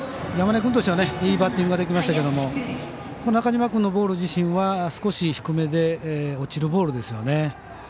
山根君としてはいいバッティングができましたが中嶋君のボール自体は少し低めで落ちるボールですよね。